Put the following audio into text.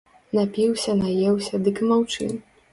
Напіўся, наеўся, дык і маўчы!